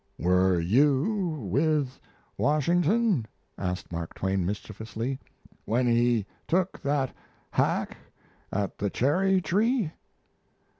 "Were you with Washington," asked Mark Twain mischievously, "when he took that hack at the cherry tree?"